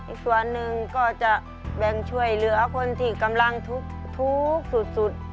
อีกส่วนหนึ่งก็จะแบ่งช่วยเหลือคนที่กำลังทุกข์สุด